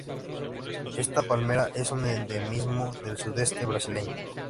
Esta palmera es un endemismo del sudeste brasileño.